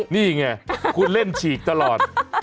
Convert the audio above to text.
นี่ไงคุณเล่นฉีกตลอด